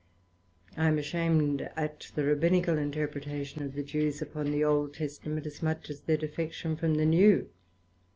I am ashamed at the Rabbinical Interpretation of the Jews, upon the Old Testament, as much as their defection from the New.